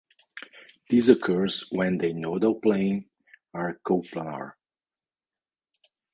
This occurs when their nodal planes are coplanar.